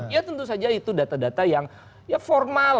ya tentu saja itu data data yang ya formal